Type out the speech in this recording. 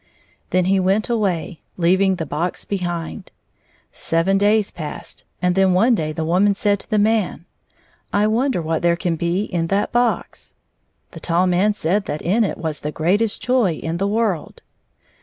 Then he went away, leaving the box behind him. Seven days passed, and then one day the woman said to the man, "I wonder what there can be in 119 that box 1 The tall man said that in it was the greatest joy in the world."